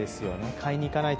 買いに行かないと。